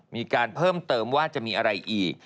มีการเพิ่มเติมว่าจะมีอะไรอีก